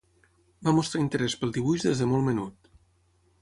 Va mostrar interès pel dibuix des de molt menut.